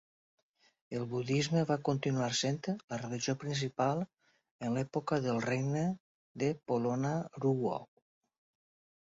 El budisme va continuar sent la religió principal en l'època del regne de Polonnaruwa.